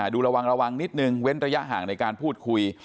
ดูระวังระวังนิดนึงเว้นระยะห่างในการพูดคุย